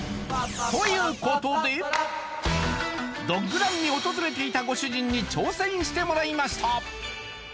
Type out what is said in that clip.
ドッグランに訪れていたご主人に挑戦してもらいました